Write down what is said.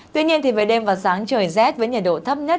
tuy nhiên về đêm và sáng trời rét với nhiệt độ thấp nhất